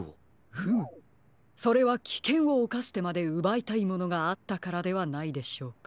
フムそれはきけんをおかしてまでうばいたいものがあったからではないでしょうか。